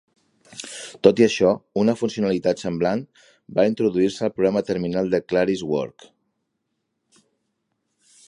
Tot i això, una funcionalitat semblant va introduir-se al programa terminal de ClarisWorks.